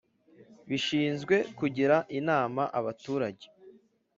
Bishinzwe kugira inama abaturage